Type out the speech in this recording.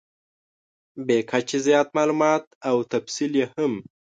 بې کچې زیات مالومات او تفصیل یې هم .